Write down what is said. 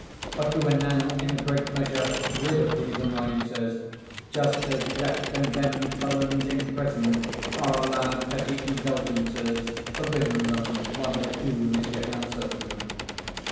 But we were now, in a great measure, rid of these annoyances—just as death condemned felons in prison are allowed petty indulgences, forbidden them while their doom is yet uncertain.